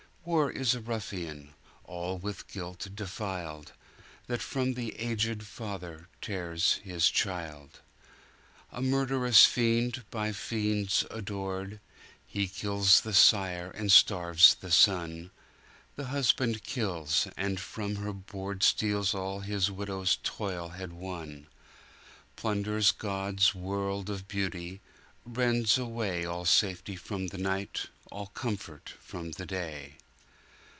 War is a ruffian, all with guilt defiled, That from the aged father tears his child!"A murderous fiend, by fiends adored, He kills the sire and starves the son; The husband kills, and from her boardSteals all his widow's toil had won! Plunders God's world of beauty; rends awayAll safety from the night, all comfort from the day.